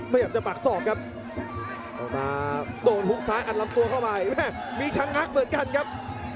พยายามจะปักศอกครับออกมาโดนฮุกซ้ายอัดลำตัวเข้าไปแม่มีชะงักเหมือนกันครับ